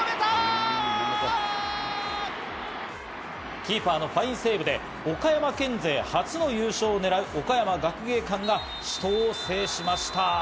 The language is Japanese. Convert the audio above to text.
キーパーのファインセーブで岡山県勢初の優勝を狙う岡山学芸館が死闘を制しました。